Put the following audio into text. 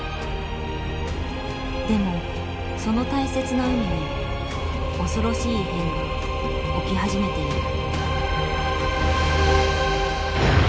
でもその大切な海に恐ろしい異変が起き始めている。